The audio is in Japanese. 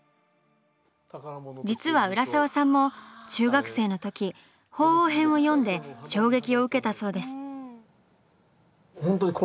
実は浦沢さんも中学生のとき「鳳凰編」を読んで衝撃を受けたそうです。